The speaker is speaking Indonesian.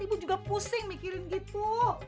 ibu juga pusing mikirin gitu